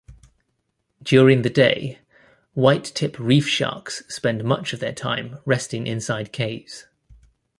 During the day, whitetip reef sharks spend much of their time resting inside caves.